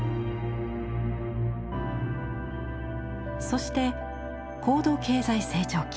そして高度経済成長期。